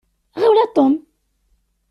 Ɣiwel a Tom.